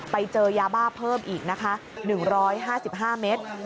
ไปเจอยาบ้าเพิ่มอีกนะคะ๑๕๕เมตร